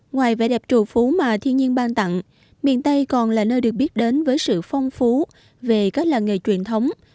ngoài vẻ đẹp trù phú mà thiên nhiên ban tặng miền tây còn là nơi được biết đến với sự phong phú về các làng nghề truyền thống